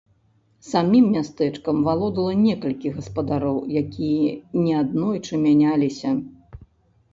Самім мястэчкам валодала некалькі гаспадароў, якія неаднойчы мяняліся.